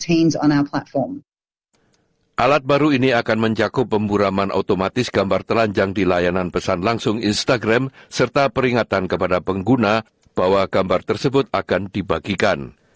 alat baru ini akan mencakup pemburaman otomatis gambar telanjang di layanan pesan langsung instagram serta peringatan kepada pengguna bahwa gambar tersebut akan dibagikan